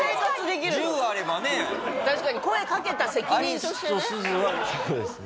確かに声かけた責任としてね。